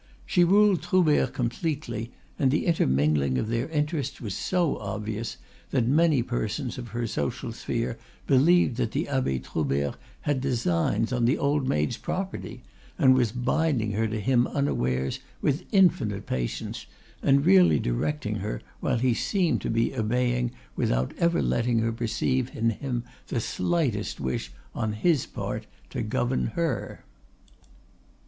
She ruled Troubert completely, and the intermingling of their interests was so obvious that many persons of her social sphere believed that the Abbe Troubert had designs on the old maid's property, and was binding her to him unawares with infinite patience, and really directing her while he seemed to be obeying without ever letting her perceive in him the slightest wish on his part to govern her.